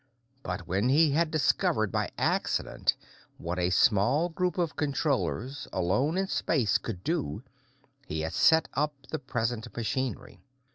But when he had discovered, by accident, what a small group of Controllers, alone in space, could do, he had set up the present machinery.